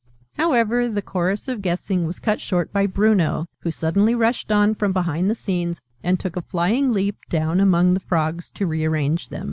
However, the chorus of guessing was cut short by Bruno, who suddenly rushed on from behind the scenes, and took a flying leap down among the Frogs, to re arrange them.